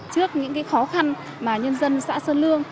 trước những khó khăn mà nhân dân xã sơn lương